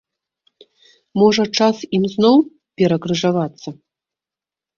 Можа, час ім зноў перакрыжавацца?